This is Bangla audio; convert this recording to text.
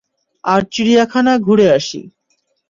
আর চিড়িয়াখানা ঘুরে আসি।